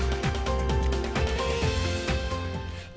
tinggal bersama dengan warga setempat